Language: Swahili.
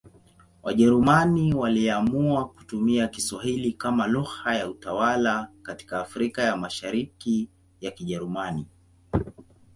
Wajerumani waliamua kutumia Kiswahili kama lugha ya utawala katika Afrika ya Mashariki ya Kijerumani.